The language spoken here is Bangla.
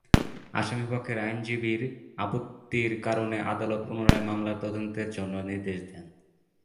আসামিপক্ষের আইনজীবীর আপত্তির কারণে আদালত পুনরায় মামলার তদন্তের জন্য নির্দেশ দেন।